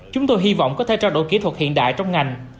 chúng tôi hy vọng có thể trao đổi kỹ thuật hiện đại trong ngành